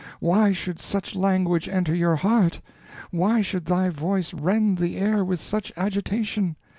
why should such language enter your heart? why should thy voice rend the air with such agitation?